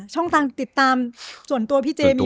ช่องทางติดตามส่วนตัวพี่เจมีไหมครับ